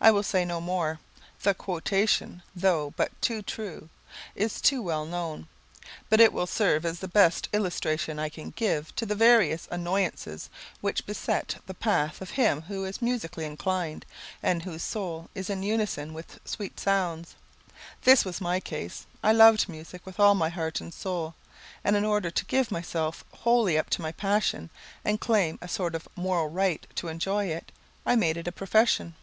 I will say no more. The quotation, though but too true, I is too well known; but it will serve as the best illustration I can give to the various annoyances which beset the path of him who is musically inclined, and whose soul is in unison with sweet sounds. This was my case. I loved music with all my heart and soul, and in order to give myself wholly up to my passion, and claim a sort of moral right to enjoy it, I made it a profession.